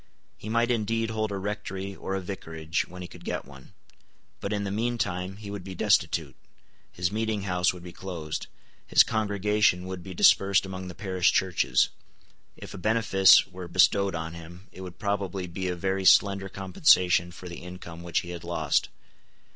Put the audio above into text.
He might indeed hold a rectory or a vicarage, when he could get one. But in the meantime he would be destitute: his meeting house would be closed: his congregation would be dispersed among the parish churches: if a benefice were bestowed on him, it would probably be a very slender compensation for the income which he had lost.